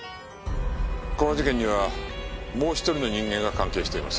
この事件にはもう一人の人間が関係しています。